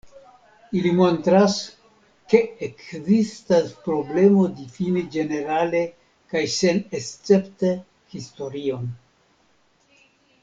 Ili montras, ke ekzistas problemo difini ĝenerale kaj senescepte historion.